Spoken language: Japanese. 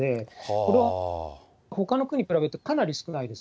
これはほかの区に比べるとかなり少ないです。